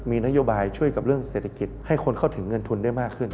มีนโยบายช่วยกับเรื่องเศรษฐกิจให้คนเข้าถึงเงินทุนได้มากขึ้น